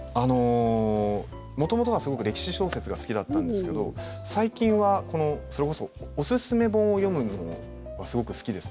もともとはすごく歴史小説が好きだったんですけれど最近はそれこそおすすめ本を読むのが好きです。